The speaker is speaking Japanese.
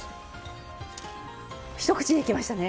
一口でいきましたね。